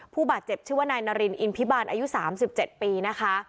พู่บาลเจ็บชื่อนายนารินอินผิบานอายุสามสิบเจ็ดปีนะคะ